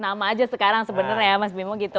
nama aja sekarang sebenarnya ya mas bimo gitu